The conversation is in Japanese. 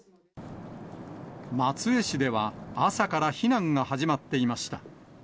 松江市では、朝から避難が始まっていました。